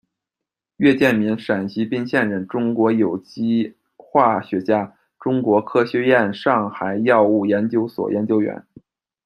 岳建民，陕西彬县人，中国有机化学家，中国科学院上海药物研究所研究员。